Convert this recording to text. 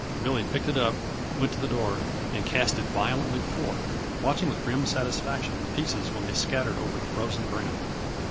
Billy picked it up, went to the door and cast it violently forth, watching with grim satisfaction the pieces when they scattered over the frozen ground.